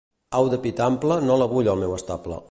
Au de pit ample no la vull al meu estable.